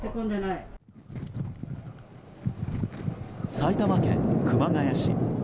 埼玉県熊谷市。